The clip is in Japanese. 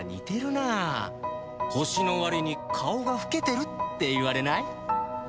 年の割に顔が老けてるって言われない？